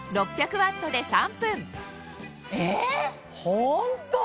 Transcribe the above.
ホント？